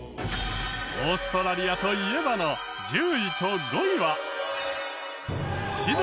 「オーストラリアと言えば？」の１０位と５位は。